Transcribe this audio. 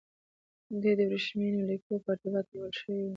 دی د ورېښمینو لیکونو په ارتباط نیول شوی و.